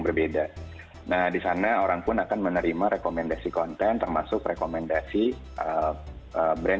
berbeda nah di sana orang pun akan menerima rekomendasi konten termasuk rekomendasi brand